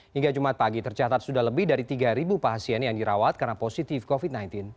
hingga jumat pagi tercatat sudah lebih dari tiga pasien yang dirawat karena positif covid sembilan belas